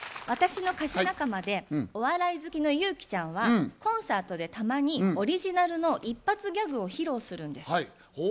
私の歌手仲間でお笑い好きのユウキちゃんはコンサートでたまにオリジナルの一発ギャグを披露するんです。